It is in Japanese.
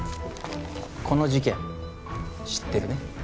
この事件知ってるね？